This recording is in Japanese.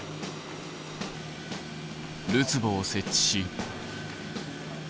るつぼを設置し。